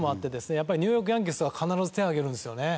やっぱりニューヨーク・ヤンキースは必ず手を挙げるんですよね。